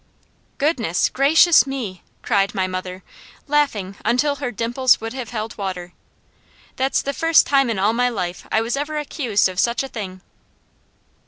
"Goodness, gracious me!" cried my mother, laughing until her dimples would have held water. "That's the first time in all my life I was ever accused of such a thing."